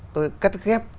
tôi cắt ghép